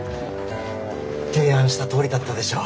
提案したとおりだったでしょ。